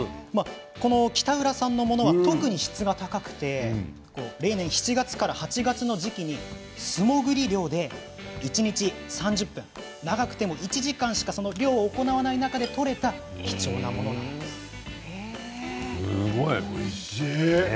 この北浦産のものは特に質が高くて例年７月から８月の時期に素もぐり漁で一日３０分長くても１時間しかその漁を行わない中で取れたすごいおいしい。